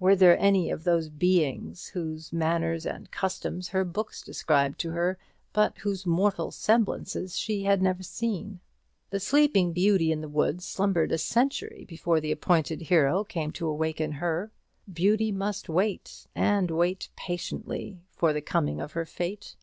Were there any of those Beings whose manners and customs her books described to her, but whose mortal semblances she had never seen? The Sleeping Beauty in the woods slumbered a century before the appointed hero came to awaken her. Beauty must wait, and wait patiently, for the coming of her fate.